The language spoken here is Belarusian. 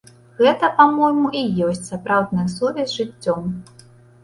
Гэта, па-мойму, і ёсць сапраўдная сувязь з жыццём.